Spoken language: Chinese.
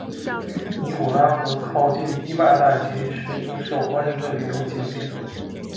尼古拉河靠近堤坝大街，是一个受欢迎的旅游景点。